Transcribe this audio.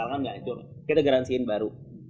misalnya nggak hancur kita garansiin baru